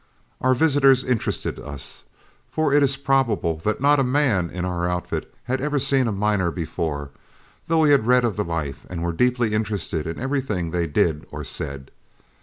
Our visitors interested us, for it is probable that not a man in our outfit had ever seen a miner before, though we had read of the life and were deeply interested in everything they did or said.